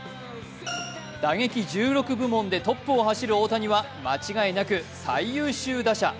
打撃１６部門でトップを走る大谷は間違いなく最優秀打者。